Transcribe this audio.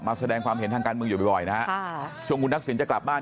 ก็มาแสดงความเห็นทางการมึงอยู่บ่อยนะฮะช่วงคุณนักศึกษ์จะกลับบ้าน